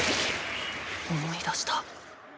思い出した。